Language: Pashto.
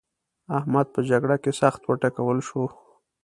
احمد په جګړه کې سخت وټکول شو.